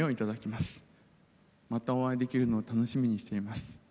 またお会いできるのを楽しみにしています。